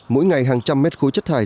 mỗi ngày hàng trăm mét khối chất thải